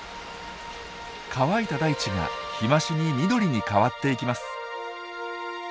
乾いた大地が日増しに緑に変わっていきます。